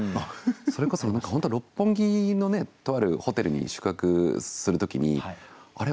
それこそ何か六本木のとあるホテルに宿泊する時にあれ？